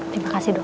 terima kasih dok